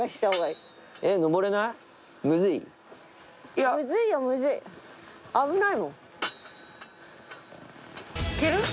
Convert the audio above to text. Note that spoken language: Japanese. いける？